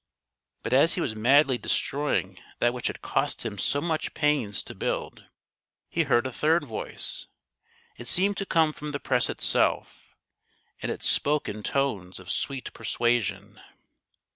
But as he was madly destroying that which had cost him so much pains to build, he heard a third voice. It seemed to come from the press itself, and it spoke in tones of sweet persuasion.